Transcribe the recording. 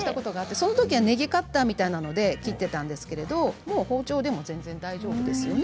そのときは、ねぎカッターみたいなもので切っていたんですが包丁でも全然大丈夫です。